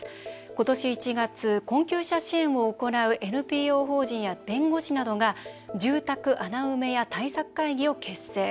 今年１月、困窮者支援を行うＮＰＯ法人や、弁護士などが住宅穴埋め屋対策会議を結成。